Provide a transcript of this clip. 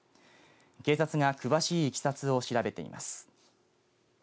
警察が詳しいいきさつを調べています。